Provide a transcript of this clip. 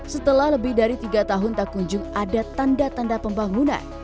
setelah lebih dari tiga tahun tak kunjung ada tanda tanda pembangunan